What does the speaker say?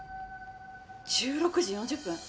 １６時４０分！？